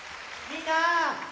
みんな！